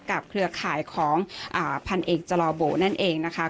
เครือข่ายของพันเอกจลอโบนั่นเองนะคะ